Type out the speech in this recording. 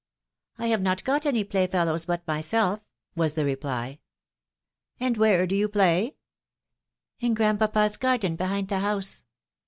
" I have not got any playfellows but myself," was the reply. " And where do vou play ?"—" In grandpapa's garden behind the house."